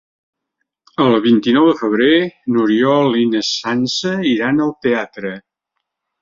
El vint-i-nou de febrer n'Oriol i na Sança iran al teatre.